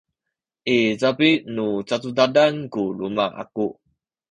i capi nu cacudadan ku luma’ aku